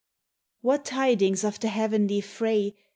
What tidings of the heavenly fray?